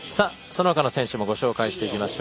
そのほかの選手もご紹介します。